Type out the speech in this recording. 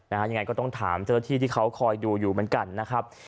ยังไงก็ต้องถามเจ้าหน้าที่ที่เขาคอยดูอยู่เหมือนกันนะครับ